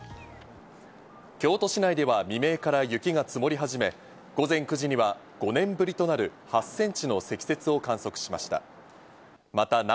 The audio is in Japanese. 京都市内では未明から雪が積もり始め、午前９時には５年ぶりとなる８ｃｍの積雪を観測しました。